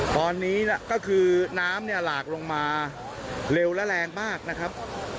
ตอนนี้ก็คือน้ำเนี่ยหลากลงมาเร็วและแรงมากนะครับ